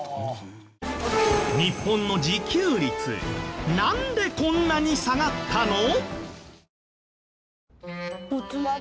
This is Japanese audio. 日本の自給率なんでこんなに下がったの？